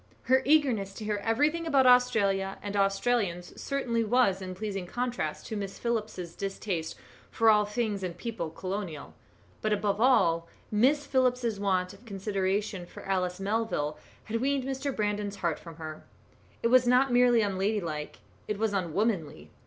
Her eagerness to hear everything about Australia and Australians certainly was in pleasing contrast to Miss Phillips's distaste for all things and people colonial; but above all, Miss Phillips's want of consideration for Alice Melville had weaned Mr. Brandon's heart from her. It was not merely unladylike; it was unwomanly.